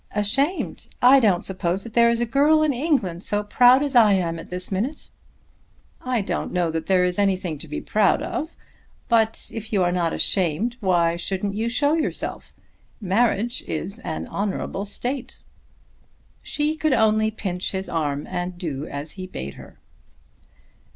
"Ashamed! I don't suppose that there is a girl in England so proud as I am at this minute." "I don't know that there is anything to be proud of, but if you are not ashamed, why shouldn't you show yourself? Marriage is an honourable state!" She could only pinch his arm, and do as he bade her.